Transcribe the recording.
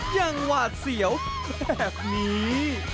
ยังหวาเสียวแบบนี้